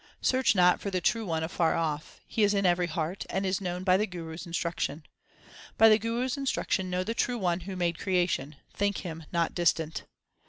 Search not for the True One afar off ; He is in every heart, and is known by the Guru s instruction. By the Guru s instruction know the True One who made creation ; think Him not distant.